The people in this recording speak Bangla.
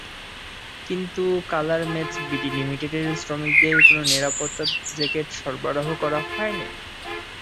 কিন্তু কালার ম্যাচ বিডি লিমিটেডের শ্রমিকদের কোনো নিরাপত্তা জ্যাকেট সরবরাহ করা হয়নি।